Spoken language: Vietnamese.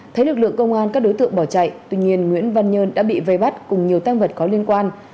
thấy lực lượng công an các đối tượng bỏ chạy tuy nhiên nguyễn văn nhơn đã bị vây bắt cùng nhiều tăng vật có liên quan